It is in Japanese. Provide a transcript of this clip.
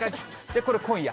これ、今夜。